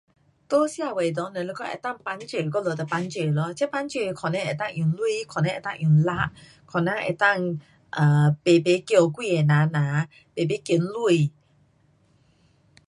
在社会内若是讲能够帮助，我们就帮助咯，这帮助的可能能够用钱，可能能够用力，可能能够 um 排排叫几个人呐，排排捐钱。